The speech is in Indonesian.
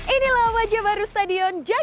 inilah wajah baru stadion jakarta